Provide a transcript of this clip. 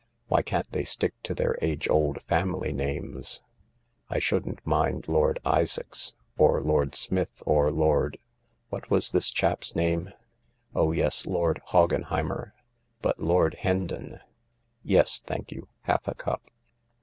"Why can't they sfack to their age old family names ? I shouldn't mind Lord Isaacs, or Lord Smith, or Lord— what was this cbaps name?— oh yes, Lord Hoggenheimer— but Lord Hendon ! Yes, thank you, half a cup.